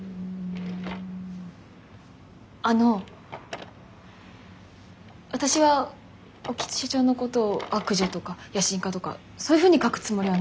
あの私は興津社長のことを悪女とか野心家とかそういうふうに書くつもりはないんです。